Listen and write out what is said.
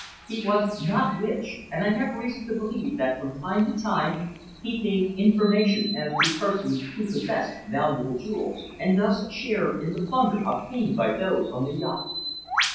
He was not rich, and I have reason to believe that from time to time he gave information as to persons who possessed valuable jewels, and thus shared in the plunder obtained by those on the yacht.